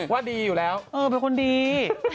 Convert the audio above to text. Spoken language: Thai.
ว่าดีอยู่แล้วเออเป็นคนดี